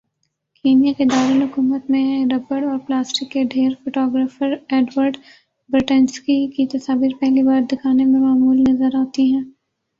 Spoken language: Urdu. کینیا کے دارلحکومت میں ربڑ اور پلاسٹک کے ڈھیر فوٹو گرافر ایڈورڈ برٹینسکی کی تصاویر پہلی بار دکھنے میں معمولی ضرور نظر آتی ہیں